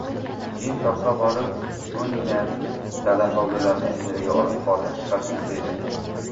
Keyin toqqa borib, jo‘ngina dalahovlilarni ijaraga olib, hordiq chiqarishni istaydi.